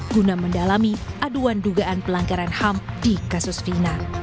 guna mendalami aduan dugaan pelanggaran ham di kasus fina